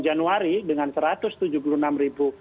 januari dengan satu ratus tujuh puluh enam ribu